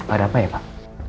ada apa ya pak